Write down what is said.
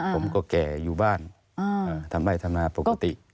ผมก็แก่อยู่บ้านทำไร่ทำนาปกติ